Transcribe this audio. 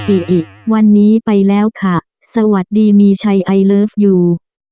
อิอิวันนี้ไปแล้วค่ะสวัสดีมีชัยไอเลิฟยู